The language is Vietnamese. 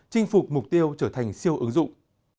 chinh phục mục tiêu trở thành siêu ứng dụng